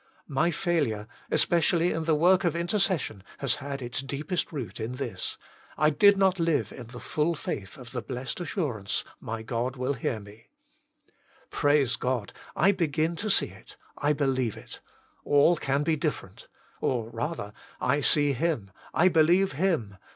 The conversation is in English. My failure, especi ally in the work of intercession, has had its deepest root in this I did not live in the full faith of the blessed assurance, " My God will hear me I " Praise God ! I begin to see it I believe it. All can be different. Or, rather, I see Him, I believe Him.